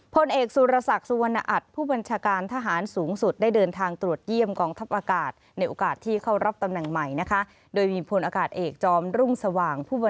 ผลเอกศูนรษักสัวนอัตฐผู้บัญชาการทหารสูงสุดได้เดินทางตรวจเยี่ยมกองทัพอากาศในโอกา